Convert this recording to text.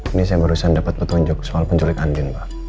ini saya barusan dapat petunjuk soal penculik andin pak